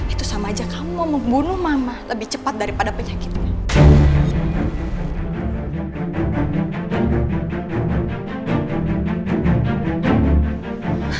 itu sama aja kamu mau membunuh mama lebih cepat daripada penyakitnya